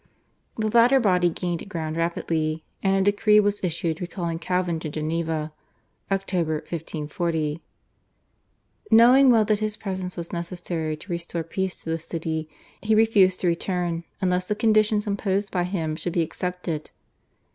The latter body gained ground rapidly, and a decree was issued recalling Calvin to Geneva (October 1540). Knowing well that his presence was necessary to restore peace to the city he refused to return unless the conditions imposed by him should be accepted.